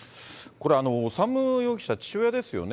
これ、修容疑者、父親ですよね。